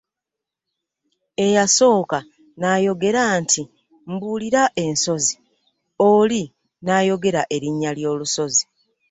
Eyasooka n'ayogera nti,"Mbuulira ensozi,"oli n'ayogera erinnya ly'olusozi.